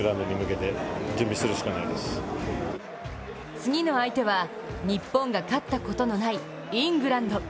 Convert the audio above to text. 次の相手は日本が勝ったことのないイングランド。